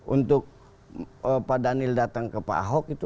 untuk pak daniel datang ke pak ahok itu